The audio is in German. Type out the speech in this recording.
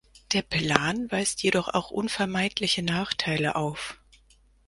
Der Plan weist jedoch auch unvermeidliche Nachteile auf.